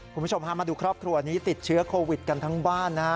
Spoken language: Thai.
คุณผู้ชมพามาดูครอบครัวนี้ติดเชื้อโควิดกันทั้งบ้านนะฮะ